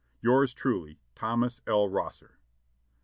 "Yours truly, Thomas L. Rosser."